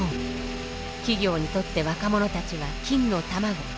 企業にとって若者たちは金の卵。